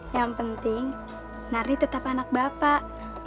yang penting nari tetap anak bapak